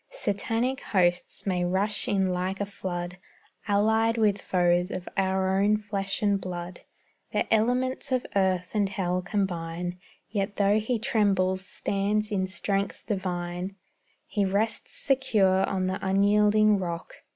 Satanic hosts may rush in like a flood, Allied with foes of our own flesh and blood, The elements of earth and hell combine, Yet tho' he trembles, stands in strength divine; He rests secure on the unyielding rock.